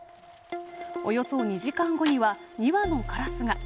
およそ２時間後には２羽のカラスが。